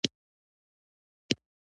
که ستاسې کار ستاسې په اند سم وي.